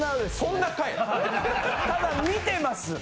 ただ、見てます。